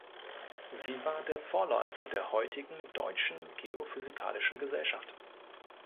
Sie war der Vorläufer der heutigen Deutschen Geophysikalischen Gesellschaft.